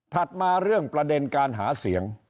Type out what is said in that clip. มาเรื่องประเด็นการหาเสียง